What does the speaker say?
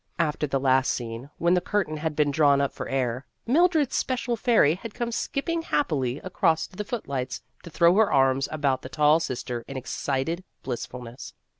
After the last scene, when the curtain had been drawn up for air, Mildred's special fairy had come skip ping happily across to the footlights to throw her arms about the tall sister in ex cited blissfulness.